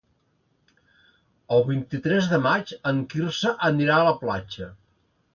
El vint-i-tres de maig en Quirze anirà a la platja.